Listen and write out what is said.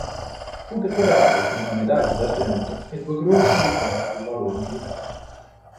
Fu decorato con una Medaglia d'argento e due Croci di guerra al valor militare.